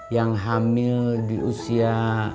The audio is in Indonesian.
yang hamil di usia